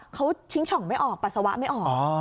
เขาทิ้งช่องไม่ออกปัสสาวะไม่ออก